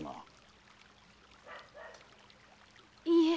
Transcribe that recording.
いいえ。